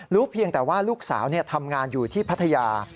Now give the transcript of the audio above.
เพียงแต่ว่าลูกสาวทำงานอยู่ที่พัทยา